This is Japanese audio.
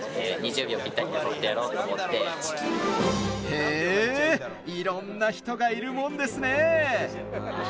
へ、いろんな人がいるもんですね。